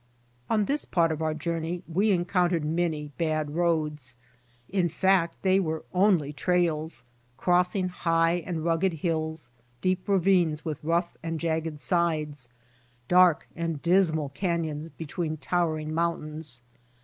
On this part of our journey we encountered many bad roads. In fact they were only trails, crossing high and rugged hills, deep ravines with rough and jagged sides, dark and dismal canyons between tow ering mountains.